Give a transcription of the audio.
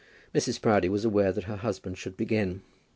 Mrs. Proudie was aware that her husband should begin.